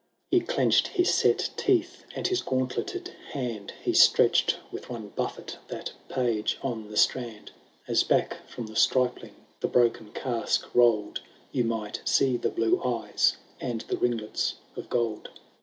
He clenched his set teeth, and his gauntleted hand ; He stretched, with one buffet, that Page on the strand; As back from the stripling the broken casque rolled, You might see the blue eyes, and the ringlets of gold.